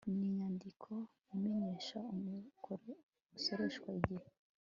n inyandiko imenyesha umusoreshwa igihe